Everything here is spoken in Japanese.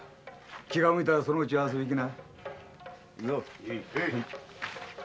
気が向いたらそのうち遊びに来な。